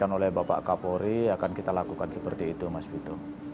yang oleh bapak kapolri akan kita lakukan seperti itu mas vito